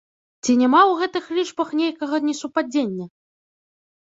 Ці няма у гэтых лічбах нейкага несупадзення?